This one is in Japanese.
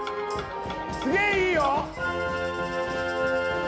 すげえいいよ！